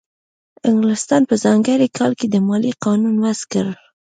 انګلستان په ځانګړي کال کې د مالیې قانون وضع کړ.